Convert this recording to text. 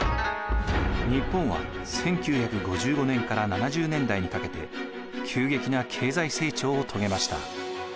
日本は１９５５年から７０年代にかけて急激な経済成長を遂げました。